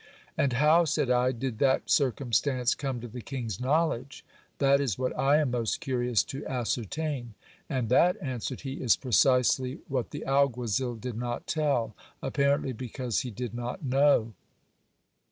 And how, said I, did that circumstance come to the king's knowledge ? That is what I am most curious to ascertain. And that, answered he, is precisely what the alguazil did not telL apparently because he did not know.